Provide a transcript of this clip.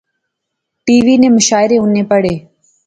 ٹی وی نے مشاعرے اُنی پڑھے